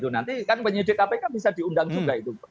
nanti kan penyidik kpk bisa diundang juga itu